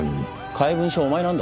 怪文書はお前なんだろ？